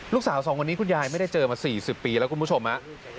ลูกสาวสองคนนี้คุณยายไม่ได้เจอมาสี่สิบปีแล้วคุณผู้ชมนะ